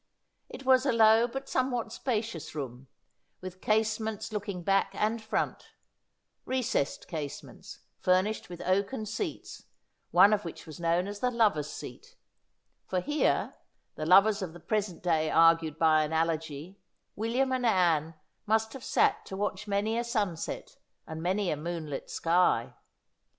It was a low but somewhat spacious room, with casements looking back and front ; recessed casements, furnished with oaken seats, one of which was known as the lovers' seat ; for here, the lovers of the present day argued by analogy, William and Ann must have sat to watch many a sunset, and many a moonlit sky.